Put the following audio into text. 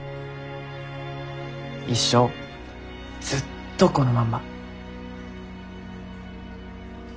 一生ずっとこのまんま。